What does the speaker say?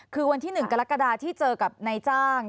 คือวันที่๑กรกฎาที่เจอกับนายจ้าง